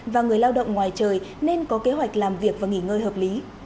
và người lao động ngoài trời nên có kế hoạch làm việc và nghỉ ngơi hợp lý